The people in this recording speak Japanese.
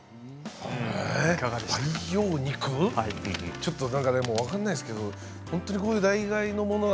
ちょっとでもなんか分からないですけど本当にこういう代替のものが